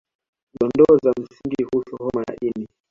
Dondoo za msingi kuhusu homa ya ini